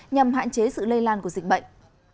nhằm hạn chế sự lây lan của dịch bệnh